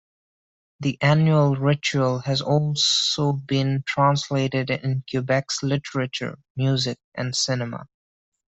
The annual ritual has also been translated in Quebec's literature, music and cinema.